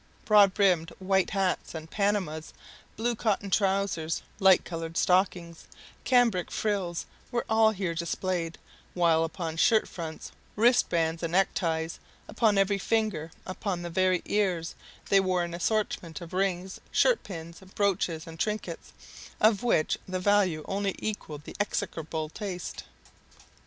Broad brimmed white hats and Panamas, blue cotton trousers, light colored stockings, cambric frills, were all here displayed; while upon shirt fronts, wristbands, and neckties, upon every finger, even upon the very ears, they wore an assortment of rings, shirt pins, brooches, and trinkets, of which the value only equaled the execrable taste.